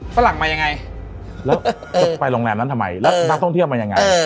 ฝรั่งมายังไงแล้วจะไปโรงแรมนั้นทำไมแล้วนักท่องเที่ยวมายังไง